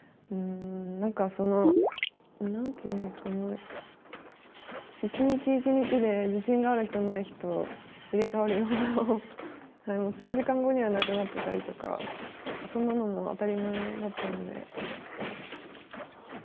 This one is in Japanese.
何かその何て言うんですか一日一日で自信がある日とない日と入れ代わるような数時間後にはなくなってたりとかそんなのも当たり前だったので。